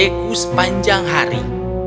dan dia menangis sepanjang hari